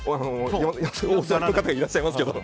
大外の方、いらっしゃいますけど。